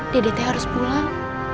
dedek teh harus pulang